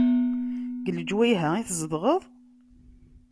Deg leǧwayeh-a i tzedɣeḍ?